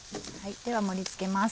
では盛り付けます。